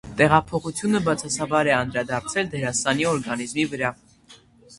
Տեղափոխությունը բացասաբար է անդրադարձել դերասանի օրգանիզմի վրա։